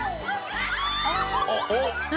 あっおっ！